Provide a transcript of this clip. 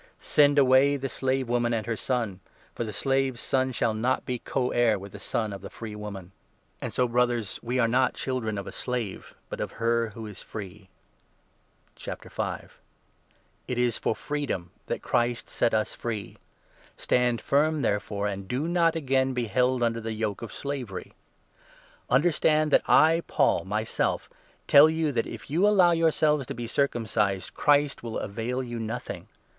' Send away the slave woman and her son ; for the slave's son shall not be co heir with the son of the free woman.' .'*> Isa. 54. i. 30 Gen. 21. 10. GALATIANS, 4 5. 303 And so, Brothers, we are not children of a slave, but of her 31 who is free. IV. — THE GOSPEL IN THE DAILY LIFE. Christian It is for freedom that Christ set us free ; stand i Freedom, firm therefore, and do not again be held under the yoke of slavery. Understand that I, Paul, myself tell you that if you allow 2 yourselves to be circumcised, Christ will avail you nothing.